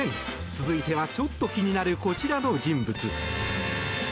続いてはちょっと気になるこちらの人物。